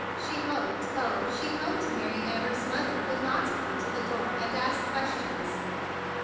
She hoped, oh, she hoped Mary Amber's mother would not come to the door and ask questions.